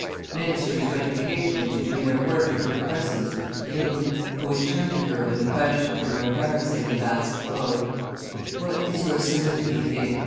Ministers went occasionally to do their work in her presence with the king, who would turn to her when the questions were embarassing, and ask, "What does your Solidity think?"